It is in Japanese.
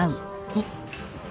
あっ。